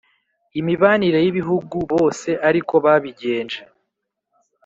imibanire y'ibihugu bose ari ko babigenje?